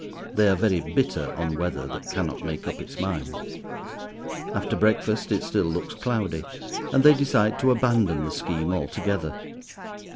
They are very bitter on weather that cannot make up its mind. After breakfast it still looks cloudy, and they decide to abandon the scheme altogether.